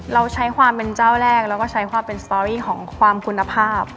เราใช้ความเป็นเจ้าแรกแล้วก็ใช้ความเป็นสตอรี่ของความคุณภาพ